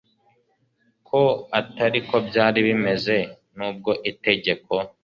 ko atari ko byari bimeze Nubwo Itegeko